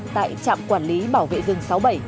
tại trạm quản lý bảo vệ rừng sáu mươi bảy